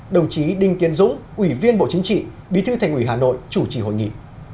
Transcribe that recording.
đồng chí đinh tiến dũng ủy viên bộ chính trị bí thư thành ủy hà nội chủ trì hội nghị